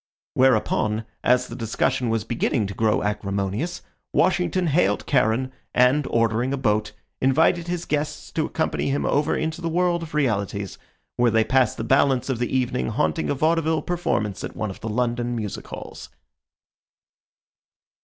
Whereupon, as the discussion was beginning to grow acrimonious, Washington hailed Charon, and, ordering a boat, invited his guests to accompany him over into the world of realities, where they passed the balance of the evening haunting a vaudeville performance at one of the London music halls.